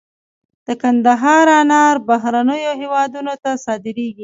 د کندهار انار بهرنیو هیوادونو ته صادریږي